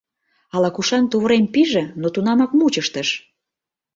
Ала-кушан тувырем пиже, но тунамак мучыштыш.